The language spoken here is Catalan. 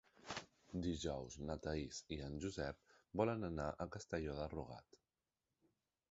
Dijous na Thaís i en Josep volen anar a Castelló de Rugat.